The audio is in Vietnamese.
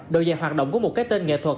đội dạy hoạt động có một cái tên nghệ thuật